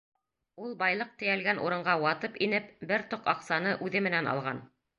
Ул байлыҡ тейәлгән урынға ватып инеп, бер тоҡ аҡсаны үҙе менән алған.